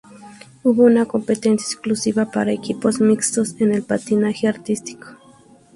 Hubo una competencia exclusiva para Equipos Mixtos en el Patinaje artístico.